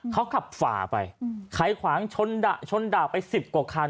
เขาขับฝ่าไปไขขวางชนด่าไปสิบกว่าคัน